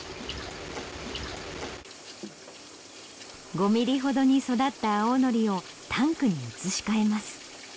５ミリほどに育った青のりをタンクに移し替えます。